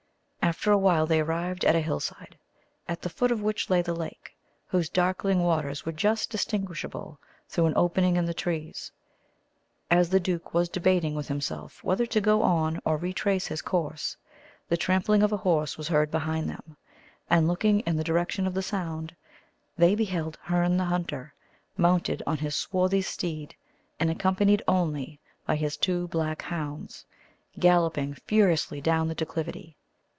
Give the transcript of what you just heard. After a while they arrived at a hillside, at the foot of which lay the lake, whose darkling waters were just distinguishable through an opening in the trees. As the duke was debating with himself whether to go on or retrace his course, the trampling of a horse was heard behind them, and looking in the direction of the sound, they beheld Herne the Hunter, mounted on his swarthy steed and accompanied only by his two black hounds, galloping furiously down the declivity.